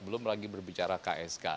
belum lagi berbicara ks